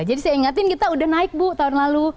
jadi saya ingetin kita udah naik bu tahun lalu